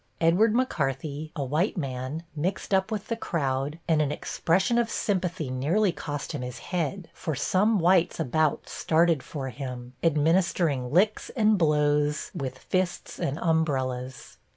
"Edward McCarthy, a white man, mixed up with the crowd, and an expression of sympathy nearly cost him his head, for some whites about started for him, administering licks and blows with fists and umbrellas.